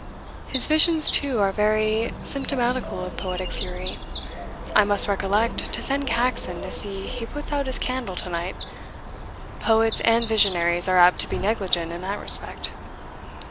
His visions, too, are very symptomatical of poetic fury I must recollect to send Caxon to see he puts out his candle to night poets and visionaries are apt to be negligent in that respect."